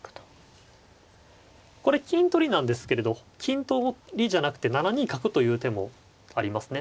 これ金取りなんですけれど金取りじゃなくて７二角という手もありますね。